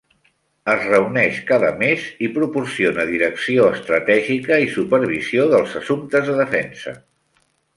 Es reuneix cada mes i proporciona direcció estratègica i supervisió dels assumptes de defensa.